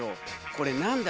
これ何や？